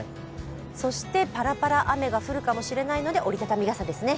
そして、パラパラ雨が降るかもしれないので、折り畳み傘ですね。